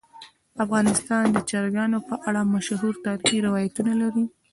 افغانستان د چرګان په اړه مشهور تاریخی روایتونه لري.